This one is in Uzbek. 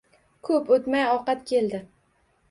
Ko‘p o‘tmay ovqat keldi.